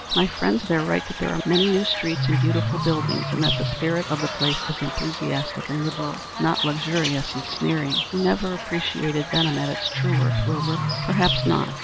My friends there write that there are many new streets and beautiful buildings, and that the spirit of the place is enthusiastic and liberal, not luxurious and sneering. You never appreciated Benham at its true worth, Wilbur." "Perhaps not.